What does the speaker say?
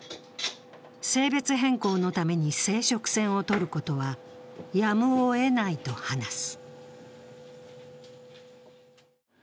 性別変更のために生殖腺をとることはやむをえないと話す。